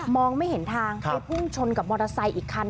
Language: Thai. ไม่เห็นทางไปพุ่งชนกับมอเตอร์ไซค์อีกคัน